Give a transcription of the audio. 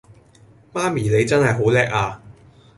媽咪你真係好叻呀